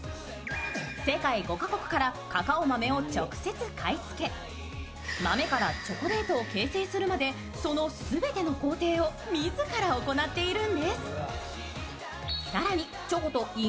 世界５カ国からカカオ豆を直接買い付け豆からチョコレートを形成するまで、その全ての工程を自ら行っているんです。